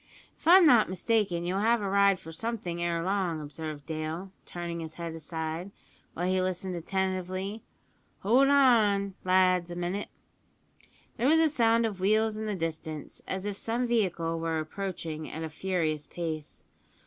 "If I'm not mistaken you'll have a ride for something ere long," observed Dale, turning his head aside, while he listened attentively. "Hold on, lads, a minute!" There was a sound of wheels in the distance, as if some vehicle were approaching at a furious pace.